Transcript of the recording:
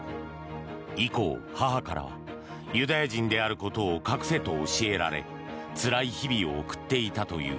以降、母からユダヤ人であることを隠せと教えられつらい日々を送っていたという。